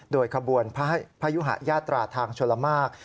โดยกระบวนพระหยวะญาตราทางชลมาก